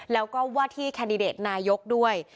แล้วก็ว่าที่แคนดิเดตนายกด้วย